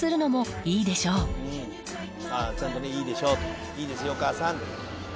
いいですよお母さんって。